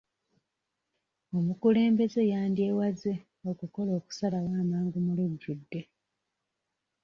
Omukulembeze yandyewaze okukola okusalawo amangu mu lujjudde.